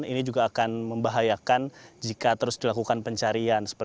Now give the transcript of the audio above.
ini juga akan membahayakan jika terus dilakukan pencarian